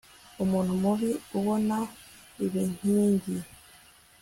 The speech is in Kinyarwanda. umuntu mubi abona ibiinkingi